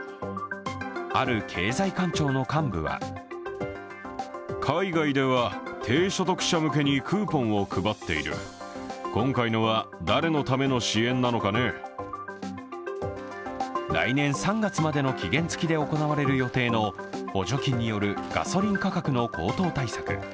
ある経済官庁の幹部は来年３月までの期限付きで行われる予定の補助金によるガソリン価格の高騰対策。